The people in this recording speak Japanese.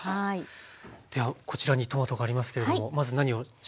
ではこちらにトマトがありますけれどもまず何をしましょうか。